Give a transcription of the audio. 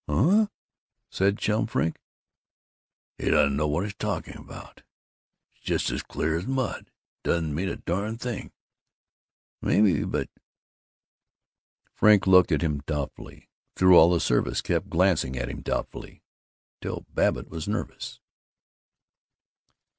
"Huh?" said Chum Frink. "He doesn't know what he's talking about. It's just as clear as mud. It doesn't mean a darn thing." "Maybe, but " Frink looked at him doubtfully, through all the service kept glancing at him doubtfully, till Babbitt was nervous.